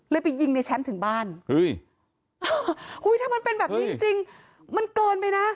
ไปยิงในแชมป์ถึงบ้านเฮ้ยถ้ามันเป็นแบบนี้จริงมันเกินไปนะ